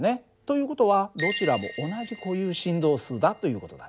という事はどちらも同じ固有振動数だという事だね。